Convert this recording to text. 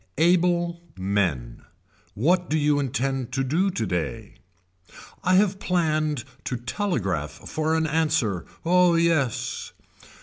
Able men. What do you intend to do today. I have planned to telegraph for an answer, Oh yes.